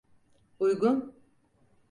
Uygun…